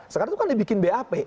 sekarang itu kan dibikin bap